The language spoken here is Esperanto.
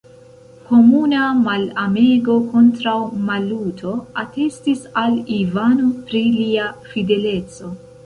Komuna malamego kontraŭ Maluto atestis al Ivano pri lia fideleco.